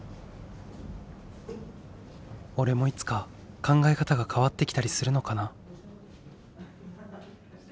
俺もいつか考え方が変わってきたりするのかな。